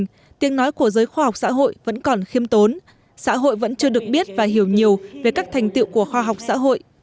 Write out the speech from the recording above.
tuy nhiên tiếng nói của giới khoa học xã hội vẫn còn khiêm tốn xã hội vẫn chưa được biết và hiểu nhiều về các thành tiệu của khoa học xã hội